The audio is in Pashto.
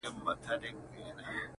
داسي يوه چا لكه سره زر تر ملا تړلى يم،